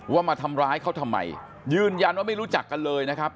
มาทำร้ายเขาทำไมยืนยันว่าไม่รู้จักกันเลยนะครับ